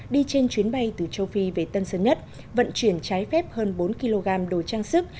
đi trên chuyến bay từ châu phi về tân sơn nhất vận chuyển trái phép hơn bốn kg đồ trang sức